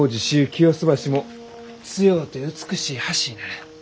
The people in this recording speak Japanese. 清洲橋も強うて美しい橋になる。